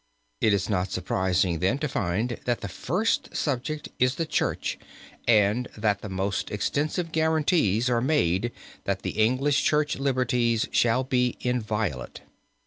It is not surprising then, to find that the first subject is the Church and that the most extensive guarantees are made that the English Church liberties shall be inviolate.